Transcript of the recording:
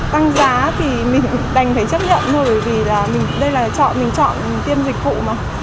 tăng giá thì mình đành phải chấp nhận thôi bởi vì đây là mình chọn tiêm dịch vụ mà